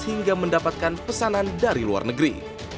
hingga mendapatkan pesanan dari luar negeri